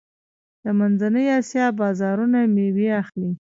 د منځنۍ اسیا بازارونه میوې اخلي.